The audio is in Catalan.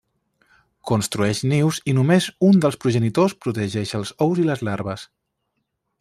Construeix nius i només un dels progenitors protegeix els ous i les larves.